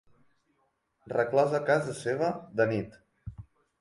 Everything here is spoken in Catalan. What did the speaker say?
Reclòs a casa seva, de nit.